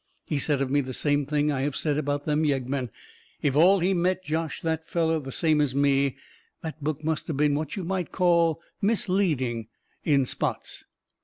He said of me the same thing I have said about them yeggmen. If all he met joshed that feller the same as me, that book must of been what you might call misleading in spots.